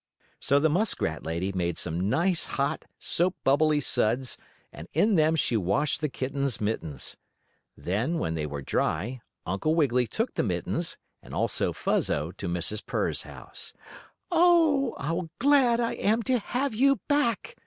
So the muskrat lady made some nice, hot, soap bubbily suds and in them she washed the kitten's mittens. Then, when they were dry, Uncle Wiggily took the mittens, and also Fuzzo to Mrs. Purr's house. "Oh, how glad I am to have you back!"